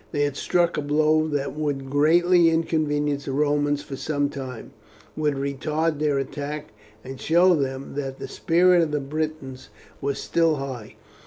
They had struck a blow that would greatly inconvenience the Romans for some time, would retard their attack, and show them that the spirit of the Britons was still high.